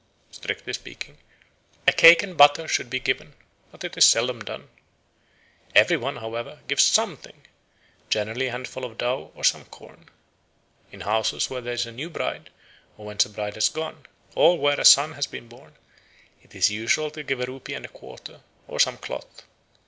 Strictly speaking, a cake and butter should be given, but it is seldom done. Every one, however, gives something, generally a handful of dough or some corn. In houses where there is a new bride or whence a bride has gone, or where a son has been born, it is usual to give a rupee and a quarter, or some cloth.